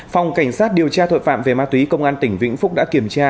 phòng cảnh sát điều tra tội phạm về ma túy công an tỉnh vĩnh phúc đã kiểm tra